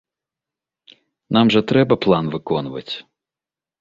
Нам жа трэба план выконваць.